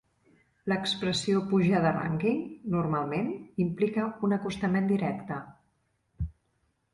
L'expressió "pujar de rànquing" normalment implica un acostament directe.